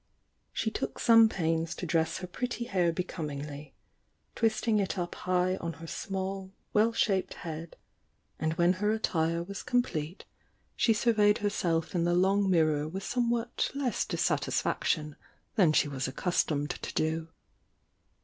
She took some pains to dress her pretty hair becomingly, twisting it up high on her small, well shaped head, and when her attire was 140 THE YOUNG DIANA 1^ complete she surveyed herself in the long mirror with somewhat less dissatisfaction than she was ac customed to do.